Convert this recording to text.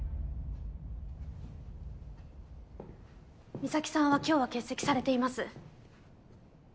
美咲さんは今日は欠席されています。